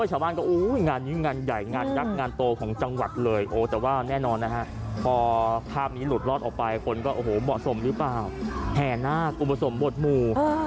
ชาวบ้านก็อุ้ยงานนี้งานใหญ่งานยักษ์งานโตของจังหวัดเลยโอ้แต่ว่าแน่นอนนะฮะพอภาพนี้หลุดรอดออกไปคนก็โอ้โหเหมาะสมหรือเปล่าแห่นาคอุปสมบทหมู่